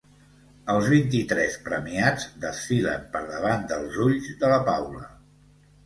Els vint-i-tres premiats desfilen per davant dels ulls de la Paula.